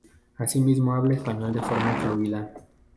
Asimismo habla español de forma fluida.